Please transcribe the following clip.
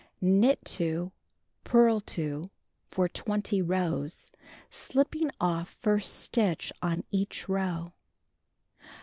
Knit 2, purl 2, for 20 rows, slipping off first stitch on each row.